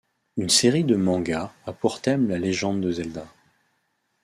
Une série de mangas a pour thème la légende de Zelda.